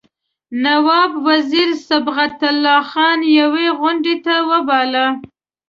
نواب وزیر صبغت الله خان یوې غونډې ته وباله.